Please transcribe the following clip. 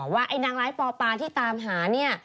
ว่านางร้ายปอปาที่ตามหา